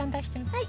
はい。